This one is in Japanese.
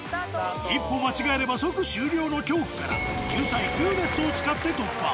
一歩間違えれば即終了の恐怖から救済「ルーレット」を使って突破！